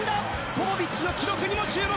ポポビッチの記録にも注目。